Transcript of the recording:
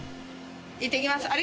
いってきます。